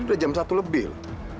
ini udah jam satu lebih